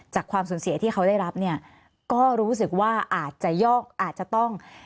ความสูญเสียที่เขาได้รับเนี่ยก็รู้สึกว่าอาจจะยอกอาจจะต้อง